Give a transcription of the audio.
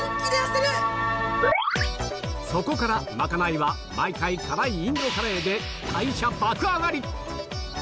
そこからまかないは毎回辛いインドカレーで代謝爆上がり！